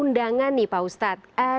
undangan nih pak ustadz